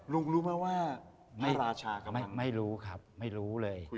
ลุงรู้ไหมว่าราชากับมันไม่รู้ครับไม่รู้เลย